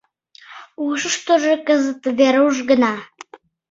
Ушыштыжо кызыт Веруш гына.